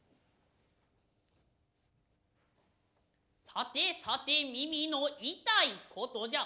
さてさて耳の痛い事じゃ。